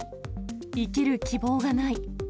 生きる希望がない。